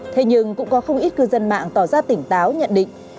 thế nhưng cũng có không ít cư dân mạng tỏ ra tỉnh táo nhận định